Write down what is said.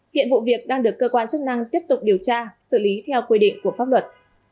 hiện vụ việc đang được cơ quan chức năng tiếp tục điều tra xử lý theo quy định của pháp luật